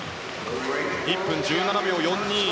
１分１７秒４２。